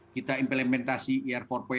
kita implementasi er empat